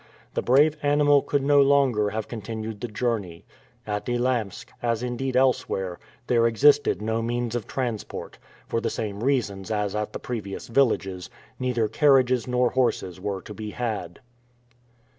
The brave animal could no longer have continued the journey. At Elamsk, as indeed elsewhere, there existed no means of transport, for the same reasons as at the previous villages, neither carriages nor horses were to be had.